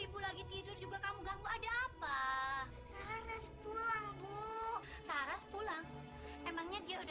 ibu lagi tidur juga kamu ganggu ada apa laras pulang bu karas pulang emangnya dia udah